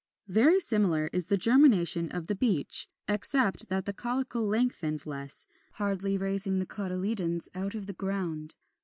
25. Very similar is the germination of the Beech (Fig. 31 33), except that the caulicle lengthens less, hardly raising the cotyledons out of the ground.